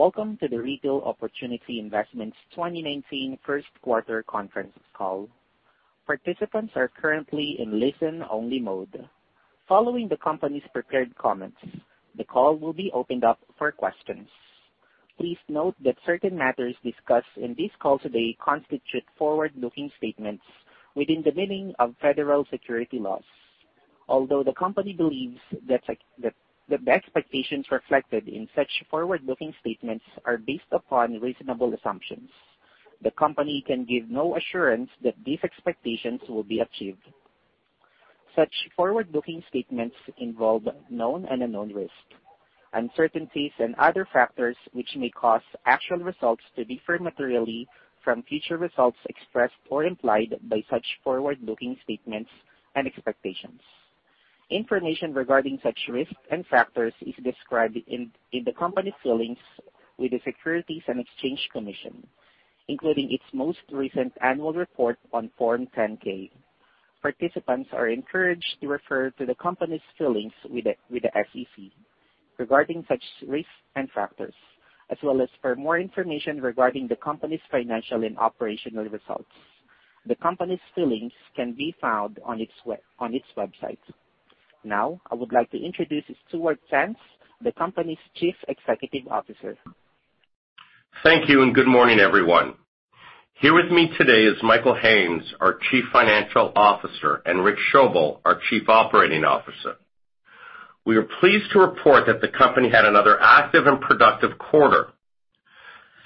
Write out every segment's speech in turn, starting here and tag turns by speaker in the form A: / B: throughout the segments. A: Welcome to the Retail Opportunity Investments 2019 first quarter conference call. Participants are currently in listen-only mode. Following the company's prepared comments, the call will be opened up for questions. Please note that certain matters discussed in this call today constitute forward-looking statements within the meaning of federal securities laws. Although the company believes that the expectations reflected in such forward-looking statements are based upon reasonable assumptions, the company can give no assurance that these expectations will be achieved. Such forward-looking statements involve known and unknown risks, uncertainties, and other factors which may cause actual results to differ materially from future results expressed or implied by such forward-looking statements and expectations. Information regarding such risks and factors is described in the company's filings with the Securities and Exchange Commission, including its most recent annual report on Form 10-K. Participants are encouraged to refer to the company's filings with the SEC regarding such risks and factors, as well as for more information regarding the company's financial and operational results. The company's filings can be found on its website. I would like to introduce Stuart Tanz, the company's Chief Executive Officer.
B: Thank you, and good morning, everyone. Here with me today is Michael Haines, our Chief Financial Officer, and Rich Schoebel, our Chief Operating Officer. We are pleased to report that the company had another active and productive quarter.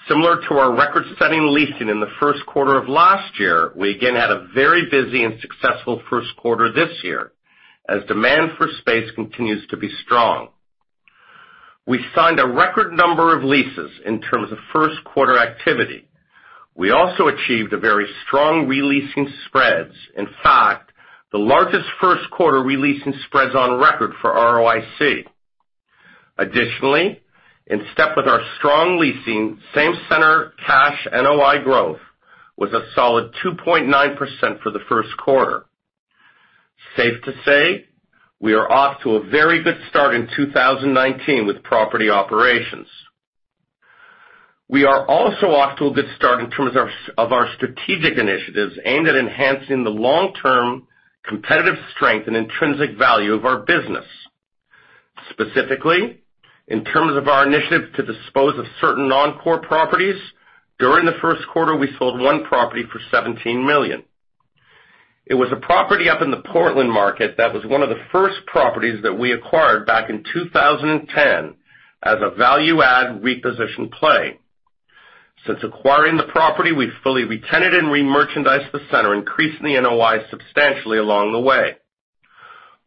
B: Similar to our record-setting leasing in the first quarter of last year, we again had a very busy and successful first quarter this year as demand for space continues to be strong. We signed a record number of leases in terms of first quarter activity. We also achieved very strong re-leasing spreads. In fact, the largest first quarter re-leasing spreads on record for ROIC. Additionally, in step with our strong leasing, same center cash NOI growth was a solid 2.9% for the first quarter. Safe to say, we are off to a very good start in 2019 with property operations. We are also off to a good start in terms of our strategic initiatives aimed at enhancing the long-term competitive strength and intrinsic value of our business. Specifically, in terms of our initiative to dispose of certain non-core properties, during the first quarter, we sold one property for $17 million. It was a property up in the Portland market that was one of the first properties that we acquired back in 2010 as a value add reposition play. Since acquiring the property, we've fully re-tenanted and re-merchandised the center, increasing the NOI substantially along the way.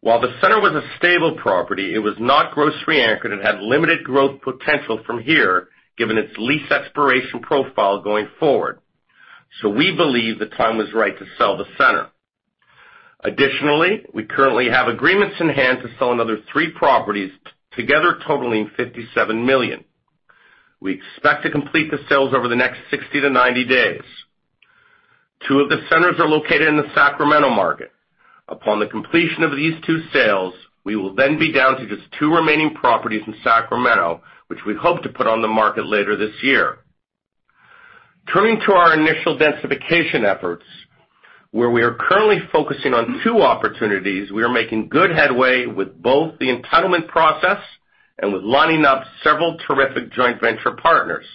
B: While the center was a stable property, it was not grocery anchored and had limited growth potential from here, given its lease expiration profile going forward. We believe the time was right to sell the center. Additionally, we currently have agreements in hand to sell another three properties, together totaling $57 million. We expect to complete the sales over the next 60 to 90 days. Two of the centers are located in the Sacramento market. Upon the completion of these two sales, we will then be down to just two remaining properties in Sacramento, which we hope to put on the market later this year. Turning to our initial densification efforts, where we are currently focusing on two opportunities, we are making good headway with both the entitlement process and with lining up several terrific joint venture partners.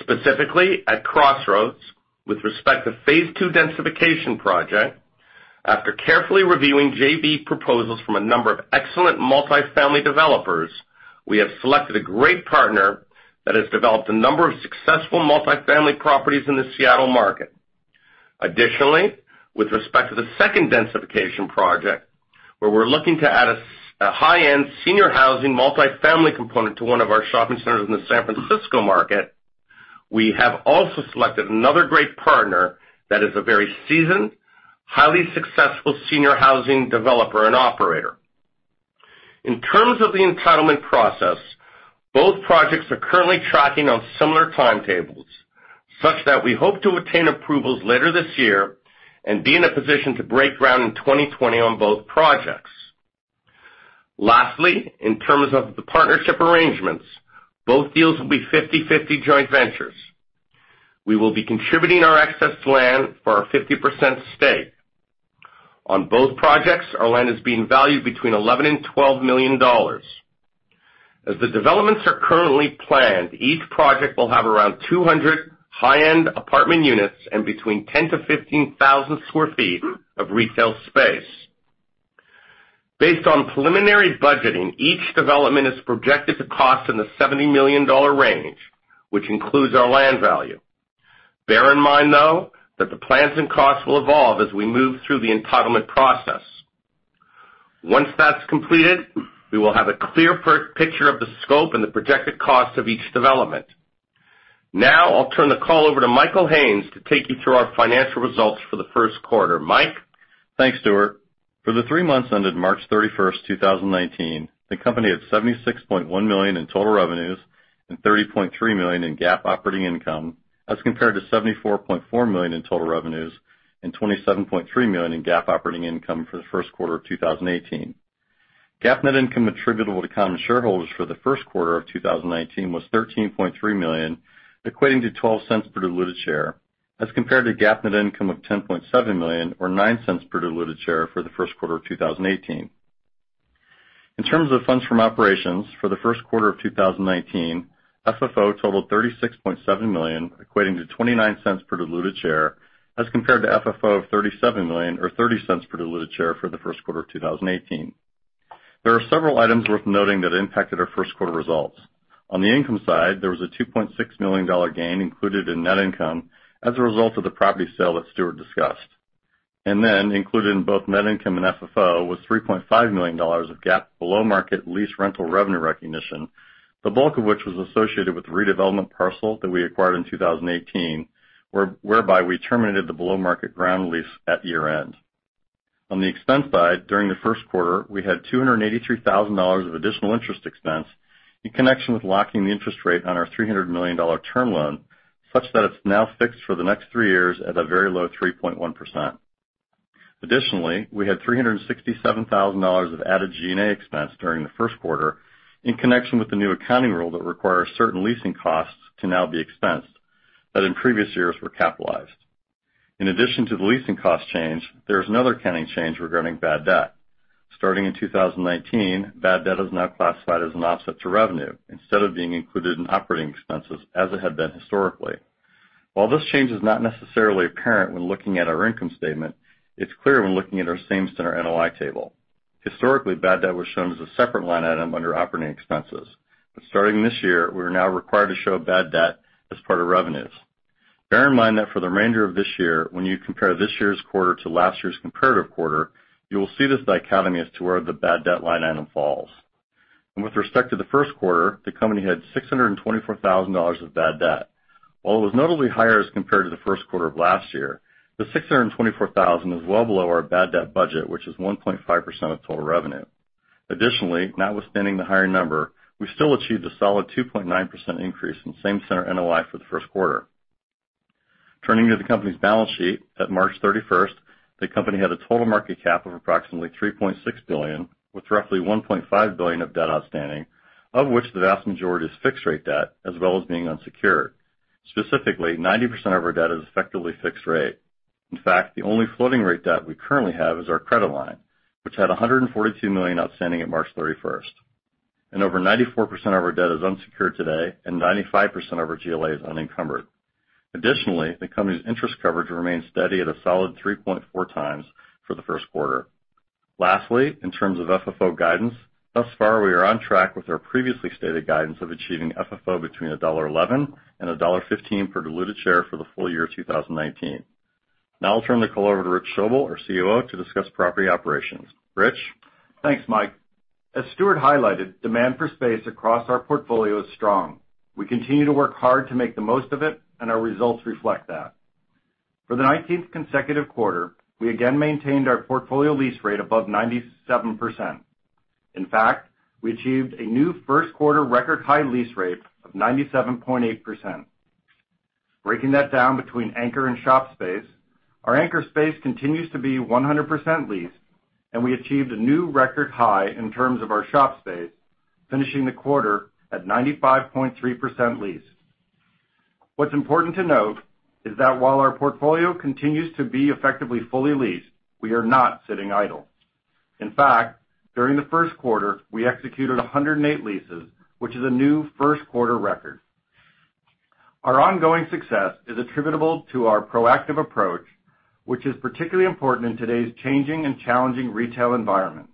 B: Specifically at Crossroads, with respect to phase II densification project, after carefully reviewing JV proposals from a number of excellent multifamily developers, we have selected a great partner that has developed a number of successful multifamily properties in the Seattle market. Additionally, with respect to the second densification project, where we're looking to add a high-end senior housing multifamily component to one of our shopping centers in the San Francisco market, we have also selected another great partner that is a very seasoned, highly successful senior housing developer and operator. In terms of the entitlement process, both projects are currently tracking on similar timetables, such that we hope to obtain approvals later this year and be in a position to break ground in 2020 on both projects. Lastly, in terms of the partnership arrangements, both deals will be 50/50 joint ventures. We will be contributing our excess land for our 50% stake. On both projects, our land is being valued between $11 million and $12 million. As the developments are currently planned, each project will have around 200 high-end apartment units and between 10,000 to 15,000 sq ft of retail space. Based on preliminary budgeting, each development is projected to cost in the $70 million range, which includes our land value. Bear in mind, though, that the plans and costs will evolve as we move through the entitlement process. Once that's completed, we will have a clear picture of the scope and the projected cost of each development. Now, I'll turn the call over to Michael Haines to take you through our financial results for the first quarter. Mike?
C: Thanks, Stuart. For the three months ended March 31st, 2019, the company had $76.1 million in total revenues and $30.3 million in GAAP operating income, as compared to $74.4 million in total revenues and $27.3 million in GAAP operating income for the first quarter of 2018. GAAP net income attributable to common shareholders for the first quarter of 2019 was $13.3 million, equating to $0.12 per diluted share, as compared to GAAP net income of $10.7 million or $0.09 per diluted share for the first quarter of 2018. In terms of funds from operations, for the first quarter of 2019, FFO totaled $36.7 million, equating to $0.29 per diluted share, as compared to FFO of $37 million or $0.30 per diluted share for the first quarter of 2018. There are several items worth noting that impacted our first quarter results. On the income side, there was a $2.6 million gain included in net income as a result of the property sale that Stuart discussed. Included in both net income and FFO was $3.5 million of GAAP below market lease rental revenue recognition, the bulk of which was associated with the redevelopment parcel that we acquired in 2018, whereby we terminated the below-market ground lease at year-end. On the expense side, during the first quarter, we had $283,000 of additional interest expense in connection with locking the interest rate on our $300 million term loan, such that it's now fixed for the next three years at a very low 3.1%. Additionally, we had $367,000 of added G&A expense during the first quarter in connection with the new accounting rule that requires certain leasing costs to now be expensed, that in previous years were capitalized. In addition to the leasing cost change, there is another accounting change regarding bad debt. Starting in 2019, bad debt is now classified as an offset to revenue instead of being included in operating expenses as it had been historically. While this change is not necessarily apparent when looking at our income statement, it's clear when looking at our same center NOI table. Historically, bad debt was shown as a separate line item under operating expenses. Starting this year, we're now required to show bad debt as part of revenues. Bear in mind that for the remainder of this year, when you compare this year's quarter to last year's comparative quarter, you will see this dichotomy as to where the bad debt line item falls. With respect to the first quarter, the company had $624,000 of bad debt. While it was notably higher as compared to the first quarter of last year, the $624,000 is well below our bad debt budget, which is 1.5% of total revenue. Additionally, notwithstanding the higher number, we still achieved a solid 2.9% increase in same center NOI for the first quarter. Turning to the company's balance sheet at March 31st, the company had a total market cap of approximately $3.6 billion, with roughly $1.5 billion of debt outstanding, of which the vast majority is fixed-rate debt, as well as being unsecured. Specifically, 90% of our debt is effectively fixed rate. In fact, the only floating rate debt we currently have is our credit line, which had $142 million outstanding at March 31st. Over 94% of our debt is unsecured today, and 95% of our GLA is unencumbered. Additionally, the company's interest coverage remains steady at a solid 3.4 times for the first quarter. Lastly, in terms of FFO guidance, thus far we are on track with our previously stated guidance of achieving FFO between $1.11 and $1.15 per diluted share for the full year 2019. Now I'll turn the call over to Rich Schoebel, our COO, to discuss property operations. Rich?
D: Thanks, Mike. As Stuart highlighted, demand for space across our portfolio is strong. We continue to work hard to make the most of it, and our results reflect that. For the 19th consecutive quarter, we again maintained our portfolio lease rate above 97%. In fact, we achieved a new first quarter record high lease rate of 97.8%. Breaking that down between anchor and shop space, our anchor space continues to be 100% leased, and we achieved a new record high in terms of our shop space, finishing the quarter at 95.3% leased. What's important to note is that while our portfolio continues to be effectively fully leased, we are not sitting idle. In fact, during the first quarter, we executed 108 leases, which is a new first quarter record. Our ongoing success is attributable to our proactive approach, which is particularly important in today's changing and challenging retail environment.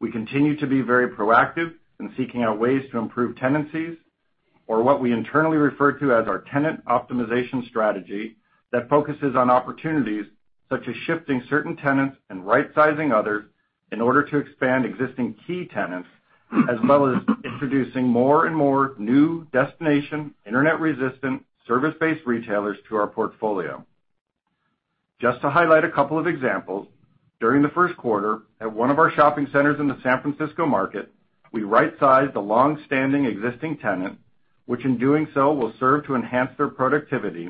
D: We continue to be very proactive in seeking out ways to improve tenancies or what we internally refer to as our tenant optimization strategy that focuses on opportunities such as shifting certain tenants and right sizing others in order to expand existing key tenants, as well as introducing more and more new destination, internet-resistant, service-based retailers to our portfolio. Just to highlight a couple of examples, during the first quarter at one of our shopping centers in the San Francisco market, we rightsized a long-standing existing tenant, which in doing so will serve to enhance their productivity,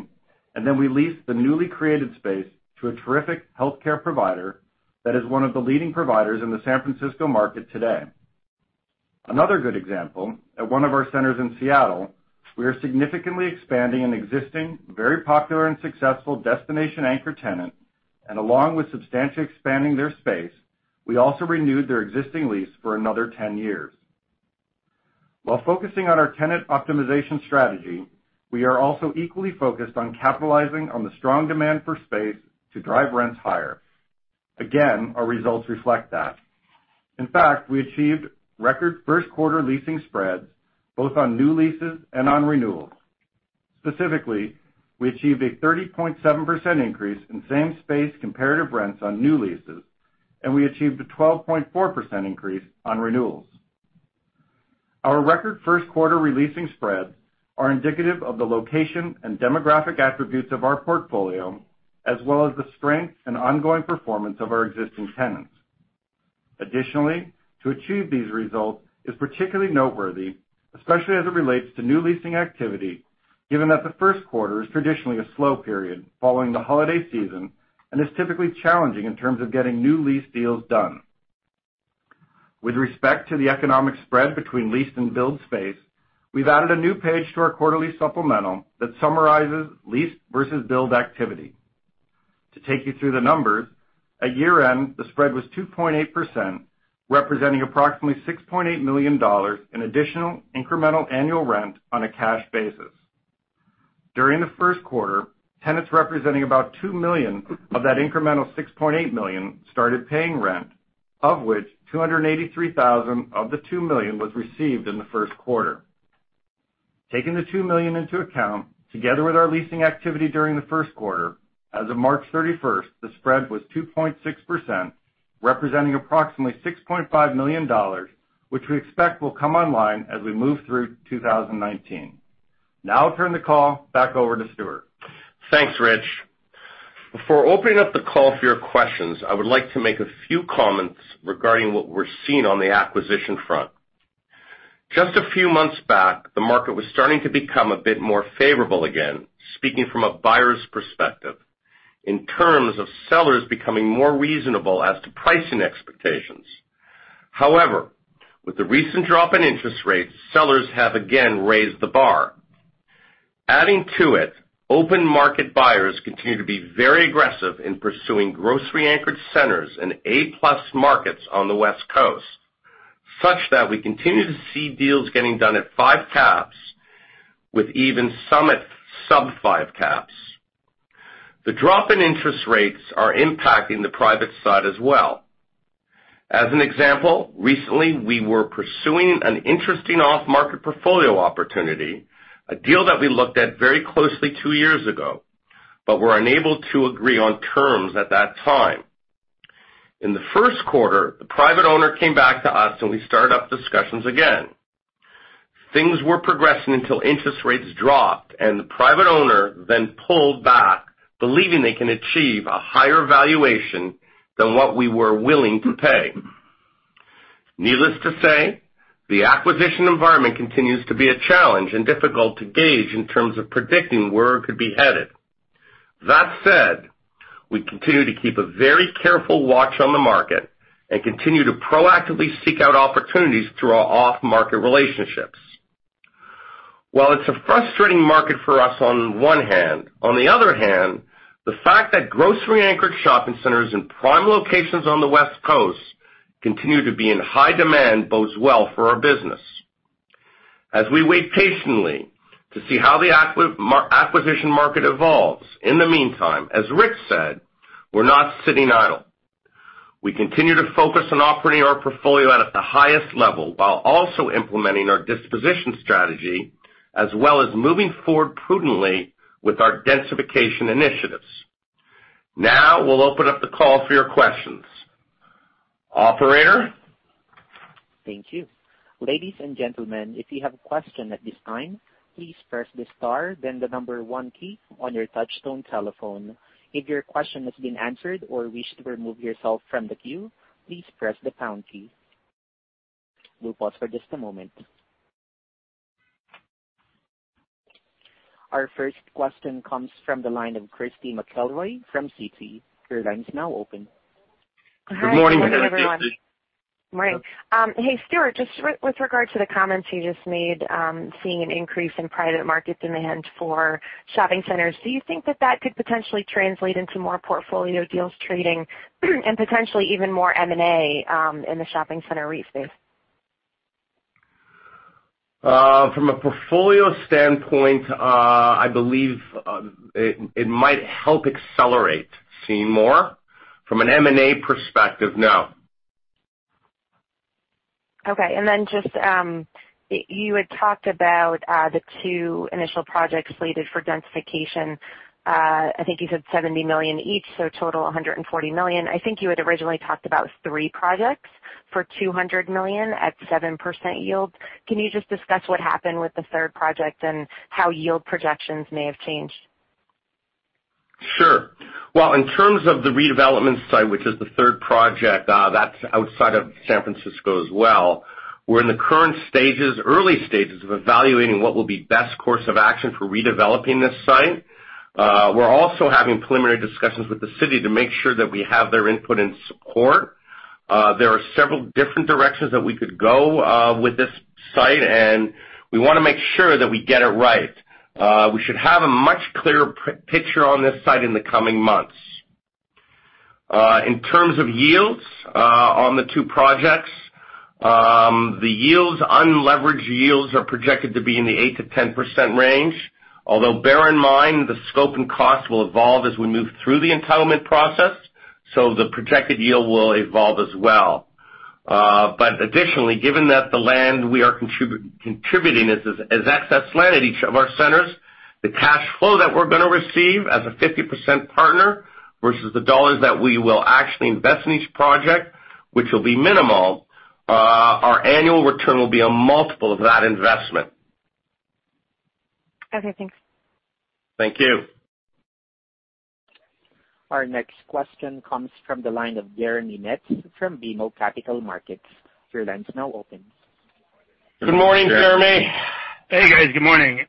D: and then we leased the newly created space to a terrific healthcare provider that is one of the leading providers in the San Francisco market today. Another good example, at one of our centers in Seattle, we are significantly expanding an existing, very popular and successful destination anchor tenant, and along with substantially expanding their space, we also renewed their existing lease for another 10 years. While focusing on our tenant optimization strategy, we are also equally focused on capitalizing on the strong demand for space to drive rents higher. Again, our results reflect that. In fact, we achieved record first quarter leasing spreads both on new leases and on renewals. Specifically, we achieved a 30.7% increase in same space comparative rents on new leases, and we achieved a 12.4% increase on renewals. Our record first quarter re-leasing spreads are indicative of the location and demographic attributes of our portfolio as well as the strength and ongoing performance of our existing tenants. Additionally, to achieve these results is particularly noteworthy, especially as it relates to new leasing activity. Given that the first quarter is traditionally a slow period following the holiday season and is typically challenging in terms of getting new lease deals done. With respect to the economic spread between leased and billed space, we've added a new page to our quarterly supplemental that summarizes leased versus billed activity. To take you through the numbers, at year-end, the spread was 2.8%, representing approximately $6.8 million in additional incremental annual rent on a cash basis. During the first quarter, tenants representing about $2 million of that incremental $6.8 million started paying rent, of which $283,000 of the $2 million was received in the first quarter. Taking the $2 million into account, together with our leasing activity during the first quarter, as of March 31st, the spread was 2.6%, representing approximately $6.5 million, which we expect will come online as we move through 2019. I'll turn the call back over to Stuart.
B: Thanks, Rich. Before opening up the call for your questions, I would like to make a few comments regarding what we're seeing on the acquisition front. Just a few months back, the market was starting to become a bit more favorable again, speaking from a buyer's perspective, in terms of sellers becoming more reasonable as to pricing expectations. However, with the recent drop in interest rates, sellers have again raised the bar. Adding to it, open market buyers continue to be very aggressive in pursuing grocery-anchored centers in A-plus markets on the West Coast, such that we continue to see deals getting done at five caps, with even some at sub five caps. The drop in interest rates are impacting the private side as well. As an example, recently, we were pursuing an interesting off-market portfolio opportunity, a deal that we looked at very closely two years ago, but were unable to agree on terms at that time. In the first quarter, the private owner came back to us, we started up discussions again. Things were progressing until interest rates dropped, the private owner then pulled back, believing they can achieve a higher valuation than what we were willing to pay. Needless to say, the acquisition environment continues to be a challenge and difficult to gauge in terms of predicting where it could be headed. That said, we continue to keep a very careful watch on the market and continue to proactively seek out opportunities through our off-market relationships. While it's a frustrating market for us on one hand, on the other hand, the fact that grocery-anchored shopping centers in prime locations on the West Coast continue to be in high demand bodes well for our business. As we wait patiently to see how the acquisition market evolves, in the meantime, as Rick said, we're not sitting idle. We continue to focus on operating our portfolio at the highest level while also implementing our disposition strategy, as well as moving forward prudently with our densification initiatives. Now we'll open up the call for your questions. Operator?
A: Thank you. Ladies and gentlemen, if you have a question at this time, please press the star then the number one key on your touchtone telephone. If your question has been answered or wish to remove yourself from the queue, please press the pound key. We'll pause for just a moment. Our first question comes from the line of Christy McElroy from Citi. Your line's now open.
B: Good morning. Good morning, Christy.
E: Morning. Hey, Stuart, just with regard to the comments you just made, seeing an increase in private market demand for shopping centers, do you think that that could potentially translate into more portfolio deals trading and potentially even more M&A in the shopping center REIT space?
B: From a portfolio standpoint, I believe it might help accelerate seeing more. From an M&A perspective, no.
E: Okay. You had talked about the two initial projects slated for densification. I think you said $70 million each, so total, $140 million. I think you had originally talked about three projects for $200 million at 7% yield. Can you just discuss what happened with the third project and how yield projections may have changed?
B: Sure. Well, in terms of the redevelopment site, which is the third project, that's outside of San Francisco as well. We're in the current stages, early stages of evaluating what will be best course of action for redeveloping this site. We're also having preliminary discussions with the city to make sure that we have their input and support. There are several different directions that we could go with this site, and we want to make sure that we get it right. We should have a much clearer picture on this site in the coming months. In terms of yields on the two projects, the yields, unlevered yields, are projected to be in the 8%-10% range. Bear in mind, the scope and cost will evolve as we move through the entitlement process, so the projected yield will evolve as well. Additionally, given that the land we are contributing is excess land at each of our centers, the cash flow that we're going to receive as a 50% partner versus the dollars that we will actually invest in each project, which will be minimal, our annual return will be a multiple of that investment.
E: Okay, thanks.
B: Thank you.
A: Our next question comes from the line of Jeremy Metz from BMO Capital Markets. Your line is now open.
B: Good morning, Jeremy.
F: Hey, guys. Good morning.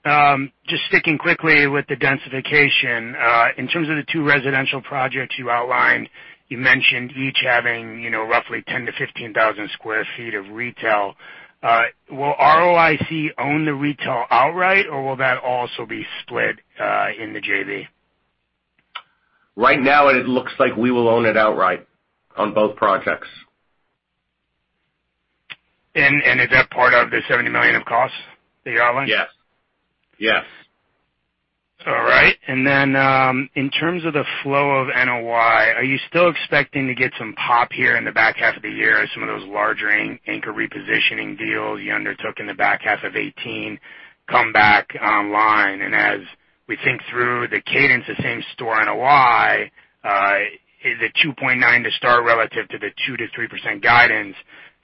F: Just sticking quickly with the densification. In terms of the two residential projects you outlined, you mentioned each having roughly 10,000-15,000 sq ft of retail. Will ROIC own the retail outright or will that also be split in the JV?
B: Right now, it looks like we will own it outright on both projects.
F: Is that part of the $70 million of costs that you outlined?
B: Yes.
F: Right. In terms of the flow of NOI, are you still expecting to get some pop here in the back half of the year as some of those larger anchor repositioning deals you undertook in the back half of 2018 come back online? As we think through the cadence of same store NOI, is it 2.9% to start relative to the 2%-3% guidance?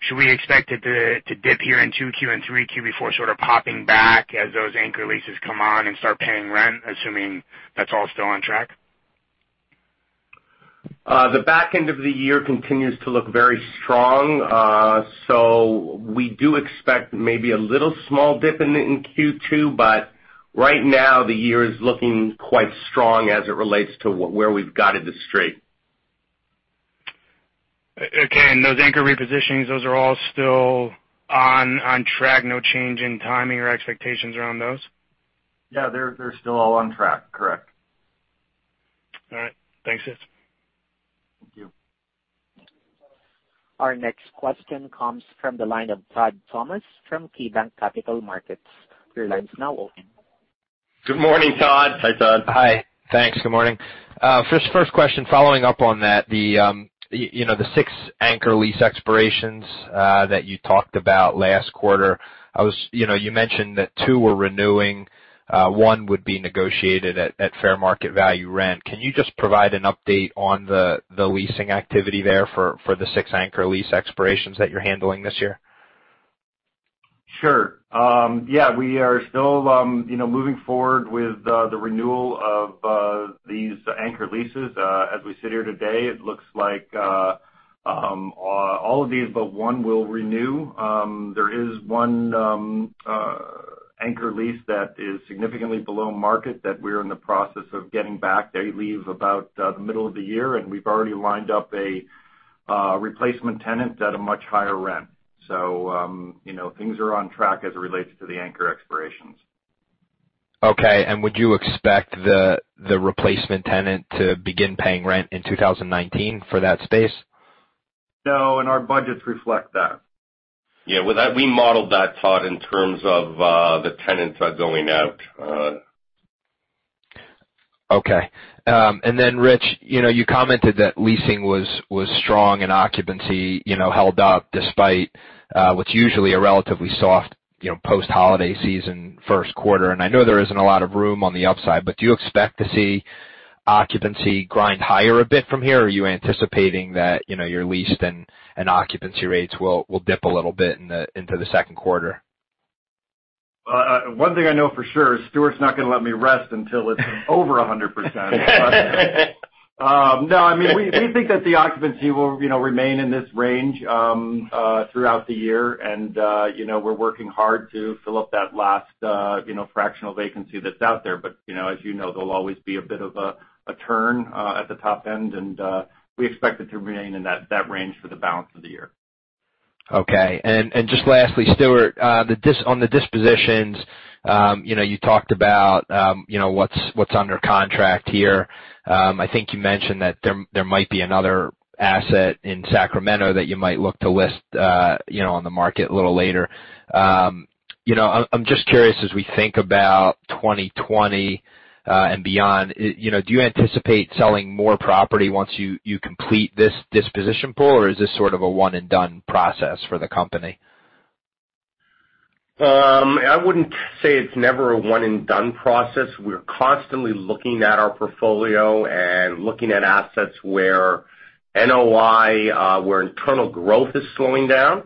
F: Should we expect it to dip here in 2Q and 3Q, before sort of popping back as those anchor leases come on and start paying rent, assuming that's all still on track?
B: The back end of the year continues to look very strong. We do expect maybe a little small dip in Q2, but right now the year is looking quite strong as it relates to where we've guided the street.
F: Okay. Those anchor repositionings, those are all still on track, no change in timing or expectations around those?
B: Yeah. They're still all on track. Correct.
F: All right. Thanks.
B: Thank you.
A: Our next question comes from the line of Todd Thomas from KeyBanc Capital Markets. Your line's now open.
B: Good morning, Todd.
D: Hi, Todd.
G: Hi. Thanks. Good morning. First question following up on that, the six anchor lease expirations that you talked about last quarter. You mentioned that two were renewing, one would be negotiated at fair market value rent. Can you just provide an update on the leasing activity there for the six anchor lease expirations that you're handling this year?
B: Sure. Yeah, we are still moving forward with the renewal of these anchor leases. As we sit here today, it looks like all of these but one will renew. There is one anchor lease that is significantly below market that we're in the process of getting back. They leave about the middle of the year, and we've already lined up a replacement tenant at a much higher rent. Things are on track as it relates to the anchor expirations.
G: Okay, would you expect the replacement tenant to begin paying rent in 2019 for that space?
B: No. Our budgets reflect that.
C: Yeah. We modeled that, Todd, in terms of the tenants that are going out.
G: Okay. Then Rich, you commented that leasing was strong and occupancy held up despite what's usually a relatively soft post-holiday season first quarter. I know there isn't a lot of room on the upside, do you expect to see occupancy grind higher a bit from here, or are you anticipating that your leased and occupancy rates will dip a little bit into the second quarter?
D: One thing I know for sure is Stuart's not going to let me rest until it's over 100%. No, we think that the occupancy will remain in this range throughout the year. We're working hard to fill up that last fractional vacancy that's out there. As you know, there'll always be a bit of a turn at the top end, we expect it to remain in that range for the balance of the year.
G: Okay. Just lastly, Stuart, on the dispositions, you talked about what's under contract here. I think you mentioned that there might be another asset in Sacramento that you might look to list on the market a little later. I'm just curious, as we think about 2020 and beyond, do you anticipate selling more property once you complete this disposition pool, or is this sort of a one and done process for the company?
B: I wouldn't say it's never a one and done process. We're constantly looking at our portfolio and looking at assets where NOI, where internal growth is slowing down.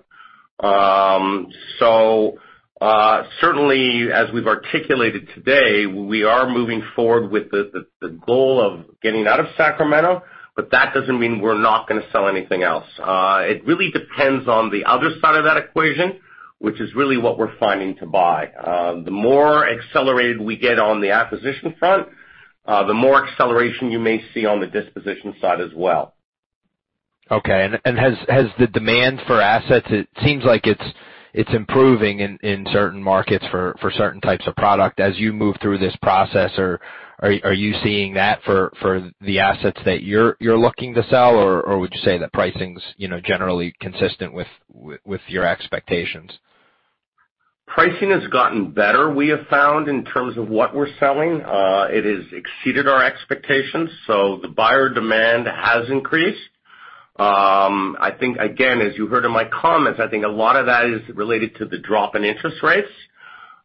B: Certainly, as we've articulated today, we are moving forward with the goal of getting out of Sacramento, that doesn't mean we're not going to sell anything else. It really depends on the other side of that equation, which is really what we're finding to buy. The more accelerated we get on the acquisition front, the more acceleration you may see on the disposition side as well.
G: Okay. Has the demand for assets, it seems like it's improving in certain markets for certain types of product. As you move through this process, are you seeing that for the assets that you're looking to sell, or would you say that pricing's generally consistent with your expectations?
B: Pricing has gotten better, we have found, in terms of what we're selling. It has exceeded our expectations. The buyer demand has increased. I think, again, as you heard in my comments, I think a lot of that is related to the drop in interest rates.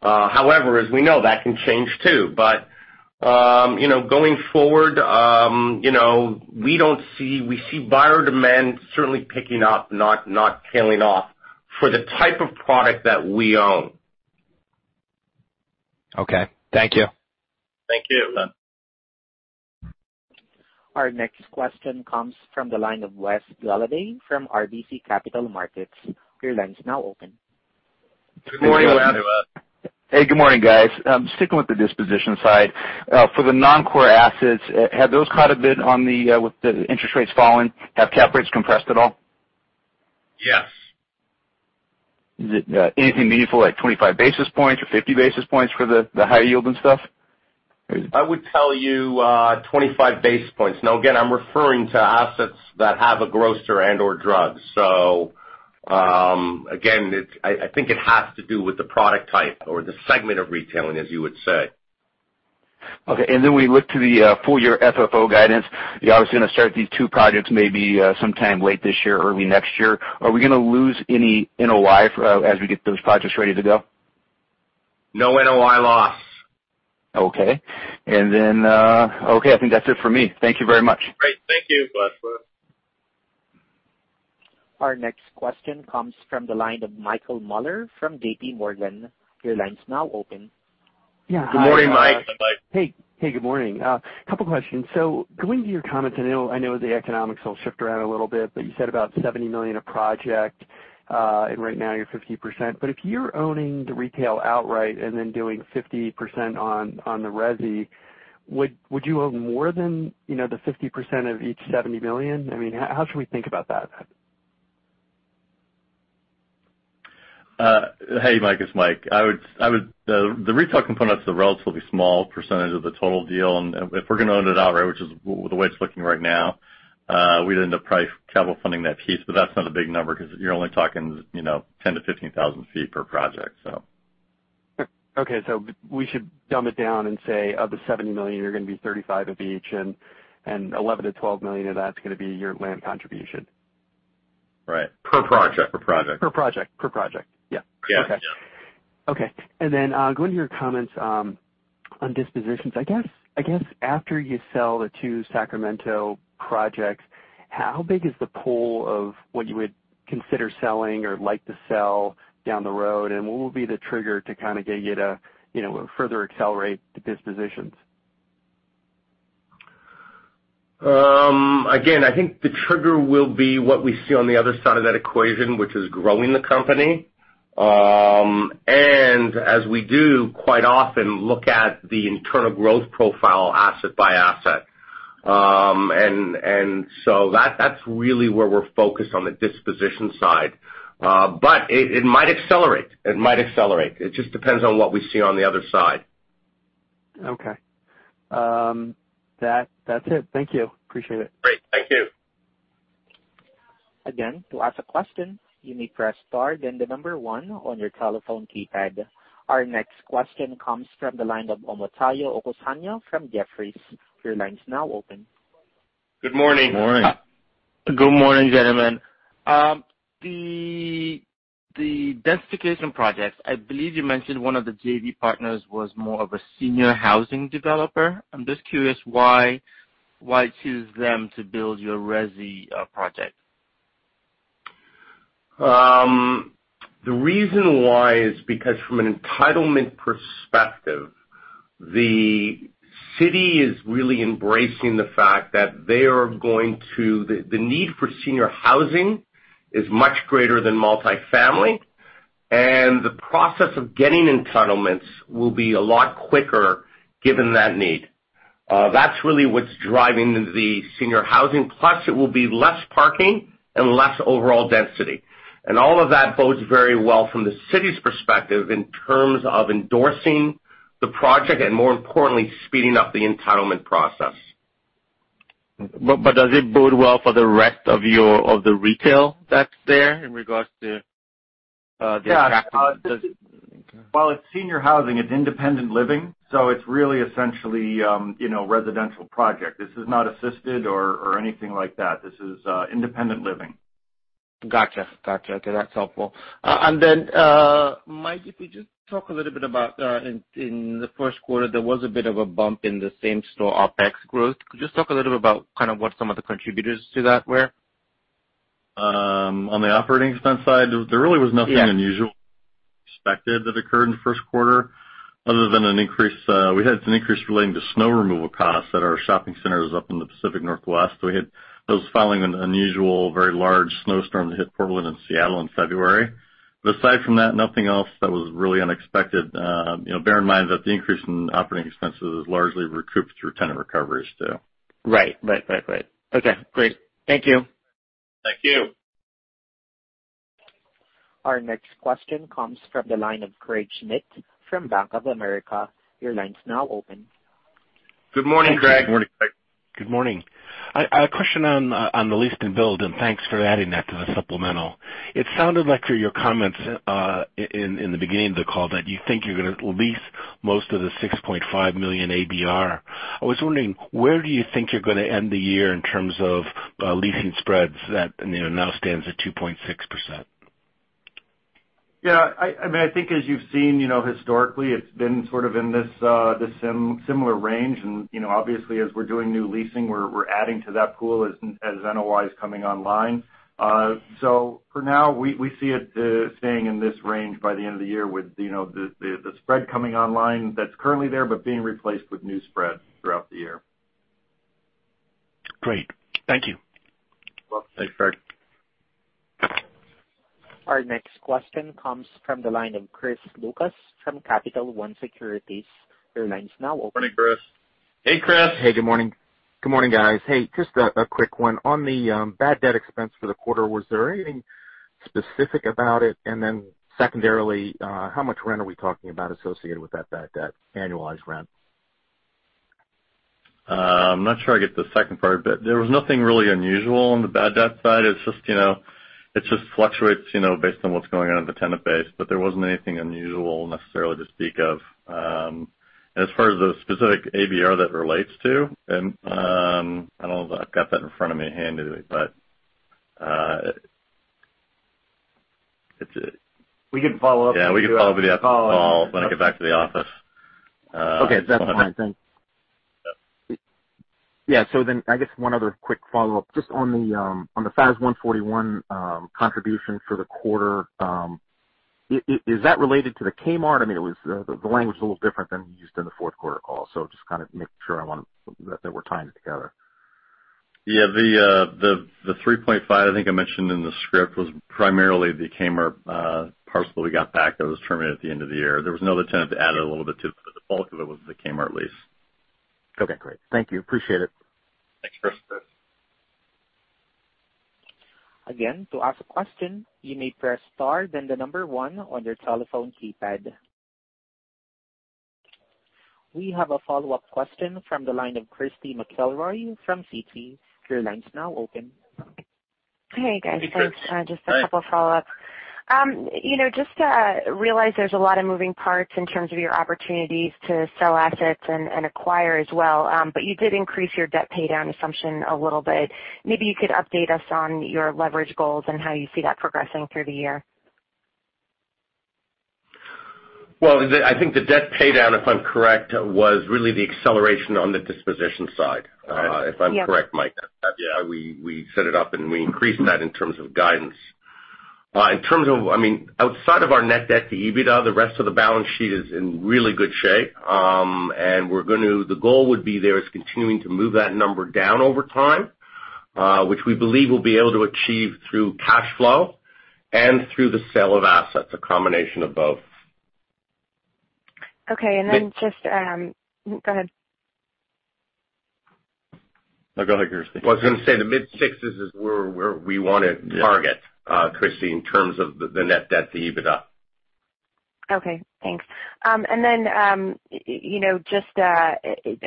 B: However, as we know, that can change, too. Going forward, we see buyer demand certainly picking up, not tailing off for the type of product that we own.
G: Okay. Thank you.
B: Thank you.
A: Our next question comes from the line of Wes Golladay from RBC Capital Markets. Your line is now open.
B: Good morning, Wes.
H: Hey, good morning, guys. Sticking with the disposition side, for the non-core assets, with the interest rates falling, have cap rates compressed at all?
B: Yes.
H: Is it anything meaningful like 25 basis points or 50 basis points for the high yield and stuff?
B: I would tell you 25 basis points. Again, I'm referring to assets that have a grocer and/or drugs. Again, I think it has to do with the product type or the segment of retailing, as you would say.
H: Okay. We look to the full year FFO guidance. You're obviously going to start these two projects maybe sometime late this year or early next year. Are we going to lose any NOI as we get those projects ready to go?
B: No NOI loss.
H: Okay. I think that's it for me. Thank you very much.
B: Great. Thank you, Wes.
A: Our next question comes from the line of Michael Mueller from J.P. Morgan. Your line's now open.
B: Good morning, Mike.
D: Hey, Mike.
I: Hey, good morning. A couple questions. Going to your comments, I know the economics will shift around a little bit, but you said about $70 million a project, and right now you're 50%. But if you're owning the retail outright and then doing 50% on the resi, would you own more than the 50% of each $70 million? How should we think about that?
C: Hey, Mike, it's Mike. The retail component's a relatively small percentage of the total deal, and if we're going to own it outright, which is the way it's looking right now, we'd end up probably capital funding that piece, but that's not a big number because you're only talking 10,000-15,000 feet per project.
I: Okay. We should dumb it down and say of the $70 million, you're going to be $35 of each and $11 million-$12 million of that's going to be your land contribution.
C: Right. Per project.
B: Per project. Yeah.
C: Yeah.
I: Okay. Going to your comments on dispositions, I guess after you sell the two Sacramento projects, how big is the pool of what you would consider selling or like to sell down the road, and what will be the trigger to kind of get you to further accelerate the dispositions?
B: I think the trigger will be what we see on the other side of that equation, which is growing the company. As we do quite often, look at the internal growth profile asset by asset. That's really where we're focused on the disposition side. It might accelerate. It just depends on what we see on the other side.
I: That's it. Thank you. Appreciate it.
B: Thank you.
A: To ask a question, you may press star, then the number 1 on your telephone keypad. Our next question comes from the line of Omotayo Okusanya from Jefferies. Your line is now open.
J: Good morning.
B: Morning.
J: Good morning, gentlemen. The densification projects, I believe you mentioned one of the JV partners was more of a senior housing developer. I'm just curious why choose them to build your resi project.
B: The reason why is because from an entitlement perspective, the city is really embracing the fact that the need for senior housing is much greater than multi-family, and the process of getting entitlements will be a lot quicker given that need. That's really what's driving the senior housing. Plus, it will be less parking and less overall density. All of that bodes very well from the city's perspective in terms of endorsing the project and, more importantly, speeding up the entitlement process.
J: Does it bode well for the rest of the retail that's there in regards to the attraction?
B: Yeah. While it's senior housing, it's independent living, so it's really essentially residential project. This is not assisted or anything like that. This is independent living.
J: Got you. Okay, that's helpful. Then, Mike, if you just talk a little bit about in the first quarter, there was a bit of a bump in the same-store OpEx growth. Could you just talk a little bit about kind of what some of the contributors to that were?
C: On the operating expense side, there really was nothing unusual expected that occurred in the first quarter, other than we had an increase relating to snow removal costs at our shopping centers up in the Pacific Northwest. That was following an unusual, very large snowstorm that hit Portland and Seattle in February. Aside from that, nothing else that was really unexpected. Bear in mind that the increase in operating expenses is largely recouped through tenant recoveries, too.
J: Right. Okay, great. Thank you.
B: Thank you.
A: Our next question comes from the line of Craig Schmidt from Bank of America. Your line's now open.
B: Good morning, Craig.
D: Good morning, Craig.
K: Good morning. A question on the lease and billed, thanks for adding that to the supplemental. It sounded like through your comments in the beginning of the call that you think you're going to lease most of the 6.5 million ABR. I was wondering, where do you think you're going to end the year in terms of leasing spreads that now stands at 2.6%?
D: Yeah. I think as you've seen historically, it's been sort of in this similar range and obviously as we're doing new leasing, we're adding to that pool as NOI is coming online. For now, we see it staying in this range by the end of the year with the spread coming online that's currently there, but being replaced with new spreads throughout the year.
K: Great. Thank you.
B: Well, thanks, Fred.
A: Our next question comes from the line of Chris Lucas from Capital One Securities. Your line is now open.
B: Morning, Chris.
D: Hey, Chris.
L: Hey, good morning. Good morning, guys. Hey, just a quick one. On the bad debt expense for the quarter, was there anything specific about it? Secondarily, how much rent are we talking about associated with that bad debt, annualized rent?
C: I'm not sure I get the second part. There was nothing really unusual on the bad debt side. It just fluctuates based on what's going on with the tenant base. There wasn't anything unusual necessarily to speak of. As far as the specific ABR that relates to, I don't know if I've got that in front of me handily, but
L: We can follow up.
C: Yeah, we can follow up with you after the call when I get back to the office.
L: Okay. That's fine. Thanks.
C: Yep.
L: Yeah. I guess one other quick follow-up just on the FAS 141 contribution for the quarter. Is that related to the Kmart? I mean, the language was a little different than you used in the fourth quarter call. Just kind of making sure that we're tying it together.
C: Yeah. The $3.5 I think I mentioned in the script was primarily the Kmart parcel we got back that was terminated at the end of the year. There was another tenant that added a little bit to it, but the bulk of it was the Kmart lease.
L: Okay, great. Thank you. Appreciate it.
C: Thanks, Chris.
A: Again, to ask a question, you may press star then the number one on your telephone keypad. We have a follow-up question from the line of Christy McElroy from Citi. Your line's now open.
E: Hey, guys.
C: Hey, Christy.
E: Thanks. Just a couple follow-ups. Just realize there's a lot of moving parts in terms of your opportunities to sell assets and acquire as well. You did increase your debt pay down assumption a little bit. Maybe you could update us on your leverage goals and how you see that progressing through the year.
B: Well, I think the debt pay down, if I'm correct, was really the acceleration on the disposition side.
E: Okay. Yeah.
B: If I'm correct, Mike. We set it up and we increased that in terms of guidance. Outside of our net debt to EBITDA, the rest of the balance sheet is in really good shape. The goal would be there is continuing to move that number down over time, which we believe we'll be able to achieve through cash flow and through the sale of assets, a combination of both.
E: Okay. Go ahead.
C: No, go ahead, Christy.
B: Well, I was going to say, the mid-six is where we want to target.
C: Yeah
B: Christy, in terms of the net debt to EBITDA.
E: Okay, thanks. Just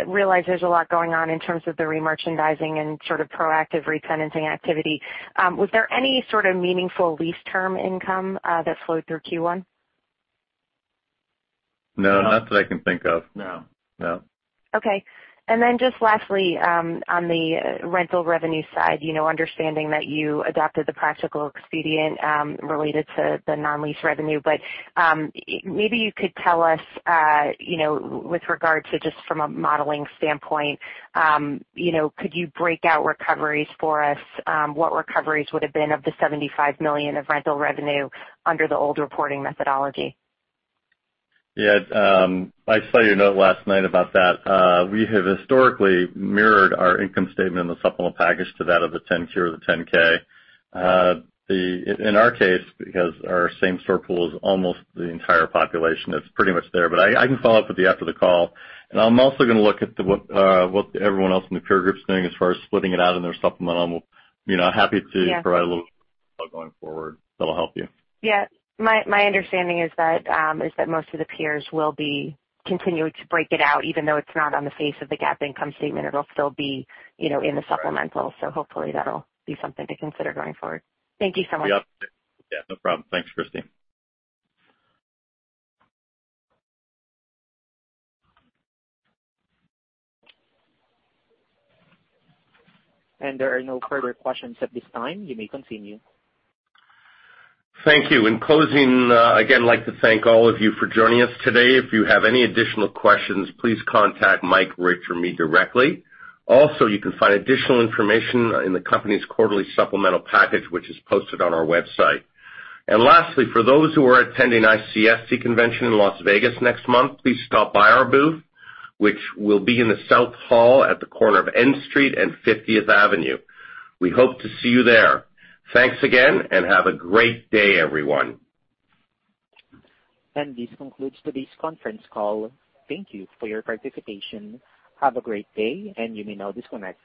E: realize there's a lot going on in terms of the remerchandising and sort of proactive retenanting activity. Was there any sort of meaningful lease term income that flowed through Q1?
C: No, not that I can think of.
B: No.
C: No.
E: Okay. Just lastly, on the rental revenue side, understanding that you adopted the practical expedient, related to the non-lease revenue. Maybe you could tell us, with regards to just from a modeling standpoint, could you break out recoveries for us, what recoveries would've been of the $75 million of rental revenue under the old reporting methodology?
C: Yeah. I saw your note last night about that. We have historically mirrored our income statement and the supplemental package to that of the 10-Q or the 10-K. In our case, because our same-store pool is almost the entire population, it's pretty much there. I can follow up with you after the call. I'm also going to look at what everyone else in the peer group's doing as far as splitting it out in their supplemental. Happy to provide a little going forward that'll help you.
E: Yeah. My understanding is that most of the peers will be continuing to break it out, even though it's not on the face of the GAAP income statement, it'll still be in the supplemental.
C: Correct.
E: Hopefully that'll be something to consider going forward. Thank you so much.
C: Yeah, no problem. Thanks, Christy.
A: There are no further questions at this time. You may continue.
B: Thank you. In closing, again, like to thank all of you for joining us today. If you have any additional questions, please contact Mike, Rich, or me directly. Also, you can find additional information in the company's quarterly supplemental package, which is posted on our website. Lastly, for those who are attending ICSC convention in Las Vegas next month, please stop by our booth, which will be in the South Hall at the corner of N Street and 50th Avenue. We hope to see you there. Thanks again, and have a great day, everyone.
A: This concludes today's conference call. Thank you for your participation. Have a great day. You may now disconnect.